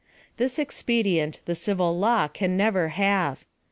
This expedient the civil law can never have.